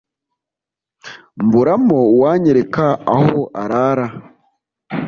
Mburamo uwanyereka aho arara,